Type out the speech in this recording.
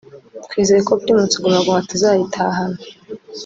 twizeye ko Primus Guma Guma tuzayitahana